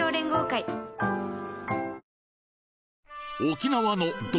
沖縄のド